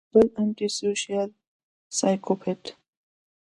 بل انټي سوشل سايکوپېت